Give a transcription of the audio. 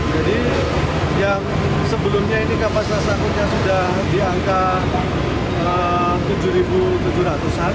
jadi yang sebelumnya ini kapasitas angkutnya sudah di angka tujuh tujuh ratus an